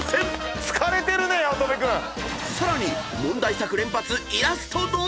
［さらに］